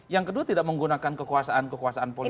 yang kedua tidak menggunakan kekuasaan kekuasaan politik